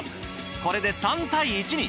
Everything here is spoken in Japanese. これで３対１に。